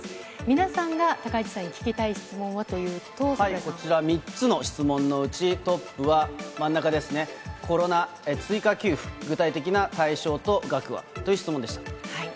皆さんが高市さんに聞きたい質問こちら、３つの質問のうち、トップは真ん中ですね、コロナ追加給付、具体的な対象と額は？という質問でした。